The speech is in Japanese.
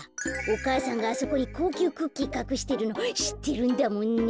お母さんがあそこにこうきゅうクッキーかくしてるのしってるんだもんね。